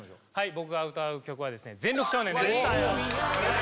僕が歌う曲はですね「全力少年」です